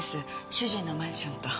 主人のマンションと。